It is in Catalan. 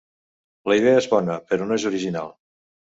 La idea és bona, però no és original.